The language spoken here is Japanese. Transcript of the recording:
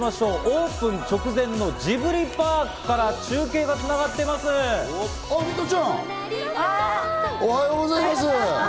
オープン直前のジブリパークから中継が繋がってあっ、ミトちゃん！